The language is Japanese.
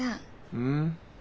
うん？